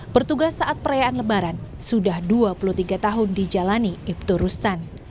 pertugas saat perayaan lebaran sudah dua puluh tiga tahun dijalani ibturustan